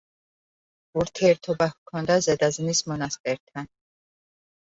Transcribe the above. ურთიერთობა ჰქონდა ზედაზნის მონასტერთან.